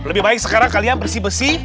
lebih baik sekarang kalian bersih bersih